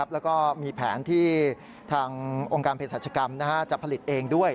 แล้วก็มีแผนที่ทางองค์การเพศรัชกรรมจะผลิตเองด้วย